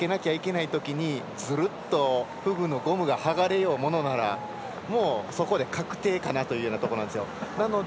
力をかけなきゃいけないときにずるっとフグのゴムが剥がれようものならそこで確定かなというところなんですよ。